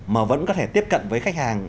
mà vẫn có thể tiếp cận với khách hàng